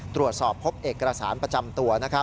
ตรวจสอบพบเอกสารประจำตัว